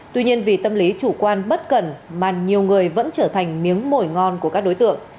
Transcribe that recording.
tuy nhiên vì tâm lý chủ quan bất cẩn mà nhiều người vẫn trở thành miếng mồi ngon của các đối tượng